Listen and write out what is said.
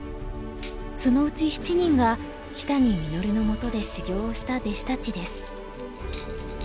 そのうち７人が木谷實の下で修業をした弟子たちです。